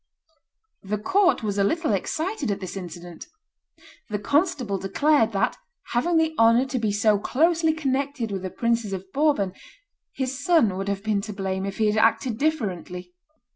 The court was a little excited at this incident. The constable declared that, having the honor to be so closely connected with the princes of Bourbon, his son would have been to blame if he had acted differently.